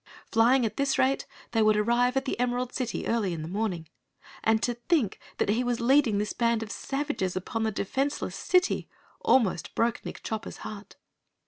Flying at this rate they would arrive in the Emerald City early in the morning, and to think that he was leading this band of savages upon the defenseless City almost broke Nick Chopper's heart.